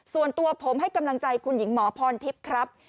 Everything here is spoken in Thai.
ส่วนตัวผมให้กำลังใจคุณหญิงหมอพรทิพย์ครับ